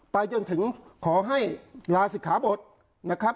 ไปจนถึงขอให้ลาศิกขาบทนะครับ